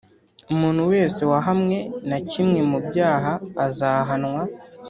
umuntu wese wahamwe na kimwe mu byaha azahanwa